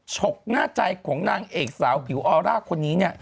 ฉกหน้าใจของนางเอกสาวผิวออร่าคนนี้เนี่ย